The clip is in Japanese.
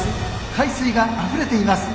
海水があふれています。